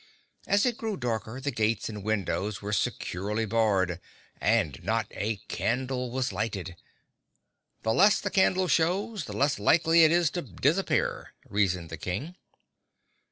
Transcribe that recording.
As it grew darker the gates and windows were securely barred and not a candle was lighted. "The less the castle shows, the less likely it is to disappear," reasoned the King.